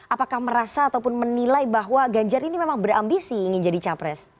apakah merasa ataupun menilai bahwa ganjar ini memang berambisi ingin jadi capres